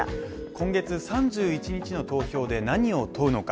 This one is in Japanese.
今月３１日の投票で何を問うのか。